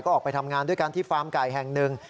ออกไปทำงานด้วยกันที่ฟาร์มไก่แห่งหนึ่ง